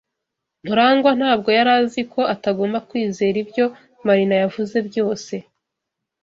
MuragwA ntabwo yari azi ko atagomba kwizera ibyo Marina yavuze byose.